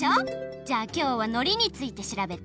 じゃあきょうはのりについてしらべて。